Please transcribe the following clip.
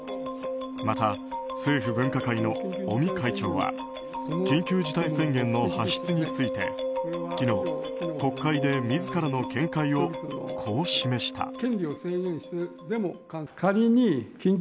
また、政府分科会の尾身会長は緊急事態宣言の発出について昨日、国会で自らの見解をこう示した。